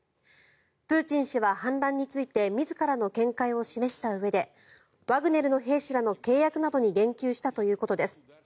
プーチン氏は反乱について自らの見解を示したうえでワグネルの兵士らの契約などに言及したということです。